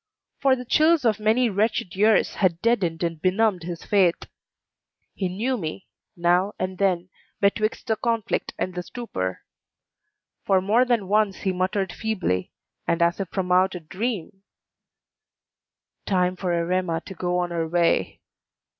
For the chills of many wretched years had deadened and benumbed his faith. He knew me, now and then, betwixt the conflict and the stupor; for more than once he muttered feebly, and as if from out a dream, "Time for Erema to go on her way.